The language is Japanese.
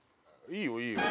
いいよいいよ。